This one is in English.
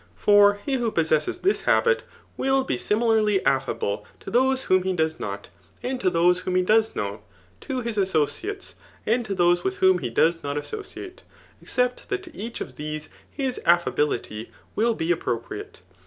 For he who possesses thb hM^ y^\ be similariy affid>le to tbose whom he does not, and to those whom he does, know^ to his associates, and to tlK>se with vrhxaa he does not associalOy except that to each of these his a&bility will be approprmte.